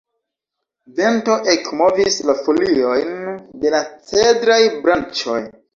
Vento ekmovis la foliojn de la cedraj branĉoj.